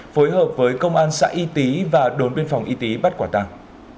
phối hợp với công an xã y tý và đồn biên phòng y tý bắt quả tàng